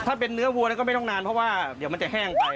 ถ้าเป็นเนื้อวัวก็ไม่ต้องนานเพราะว่าเดี๋ยวมันจะแห้งไป